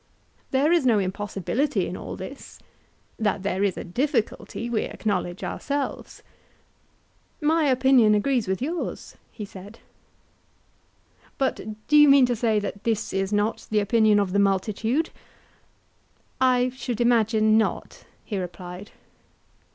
There is no impossibility in all this; that there is a difficulty, we acknowledge ourselves. My opinion agrees with yours, he said. But do you mean to say that this is not the opinion of the multitude? I should imagine not, he replied.